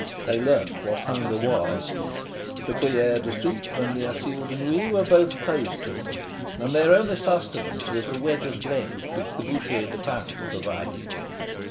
They learned what hunger was. The Cuillere de Soupe and the Asile de Nuit were both closed to them, and their only sustenance was the wedge of bread which the Bouchee de Pain provided.